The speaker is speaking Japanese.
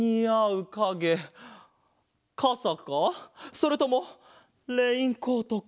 それともレインコートか？